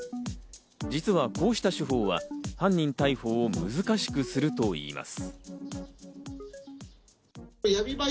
実はこうした手法は、犯人逮捕を難しくするといいます。